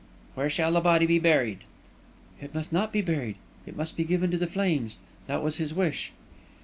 "Where shall the body be buried?" "It must not be buried. It must be given to the flames. That was his wish."